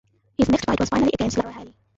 His next fight was finally against Leroy Haley.